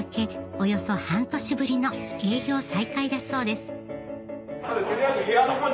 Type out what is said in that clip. およそ半年ぶりの営業再開だそうです